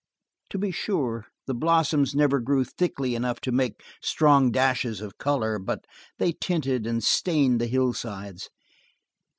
To be sure, the blossoms never grew thickly enough to make strong dashes of color, but they tinted and stained the hillsides.